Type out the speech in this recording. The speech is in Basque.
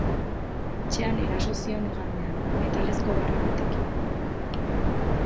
Etxean eraso zion igandean, metalezko barra batekin.